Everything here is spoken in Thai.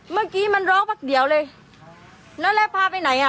เมื่อกี้มันร้องพักเดียวเลยแล้วพาไปไหนอ่ะ